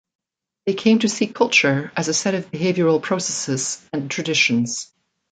They came to see culture as a set of behavioural processes and traditions.